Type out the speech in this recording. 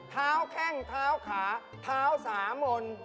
เท้าแข้งเท้าขาเท้าสามลน